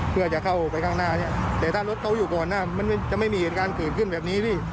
เพื่อจะเข้าไปข้างหน้านี้แต่ถ้ารถเข้าอยู่ก่อนนะมันจะไม่มีงานขึ้นแบบนี้พี่